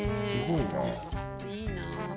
いいな。